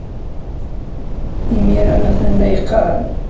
Imir-a, a-t-an la yeqqar.